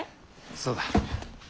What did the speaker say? そうだ。